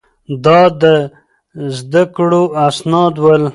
دا د ده د زده کړو اسناد ول.